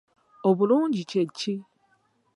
Obulungi kye ki?